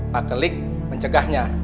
pak kelik mencegahnya